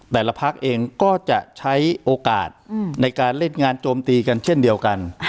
แต่ละพักเองก็จะใช้โอกาสในการเล่นงานโจมตีกันเช่นเดียวกัน